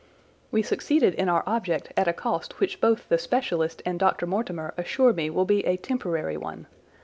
We succeeded in our object at a cost which both the specialist and Dr. Mortimer assure me will be a temporary one.